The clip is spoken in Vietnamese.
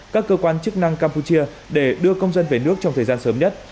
các cơ quan chức năng campuchia để đưa công dân về nước trong thời gian sớm nhất